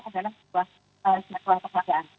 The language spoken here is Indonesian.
adalah sebuah pekerjaan